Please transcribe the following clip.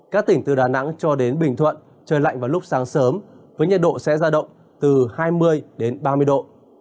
các tỉnh từ đà nẵng cho đến bình thuận trời lạnh vào lúc sáng sớm với nhiệt độ sẽ ra động từ hai mươi đến ba mươi độ